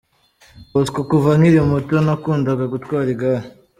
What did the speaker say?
Bosco: Kuva nkiri muto nakundaga gutwara igare.